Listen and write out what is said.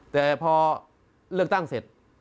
แต่พอเลือกตั้งเสร็จ